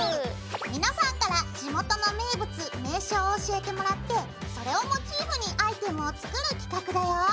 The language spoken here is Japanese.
皆さんから地元の名物名所を教えてもらってそれをモチーフにアイテムを作る企画だよ！